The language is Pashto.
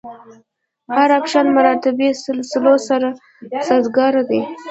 هر اپشن مراتبي سلسلو سره سازګاره دی.